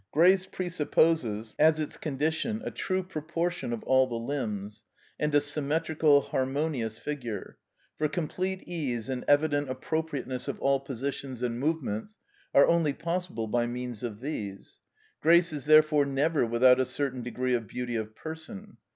Grace presupposes as its condition a true proportion of all the limbs, and a symmetrical, harmonious figure; for complete ease and evident appropriateness of all positions and movements are only possible by means of these. Grace is therefore never without a certain degree of beauty of person.